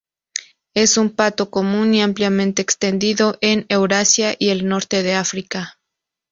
Es un pato común y ampliamente extendido en Eurasia y el norte de África.